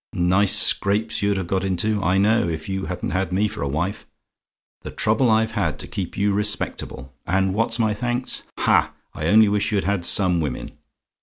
Nice scrapes you'd have got into, I know, if you hadn't had me for a wife. The trouble I've had to keep you respectable and what's my thanks? Ha! I only wish you'd had some women!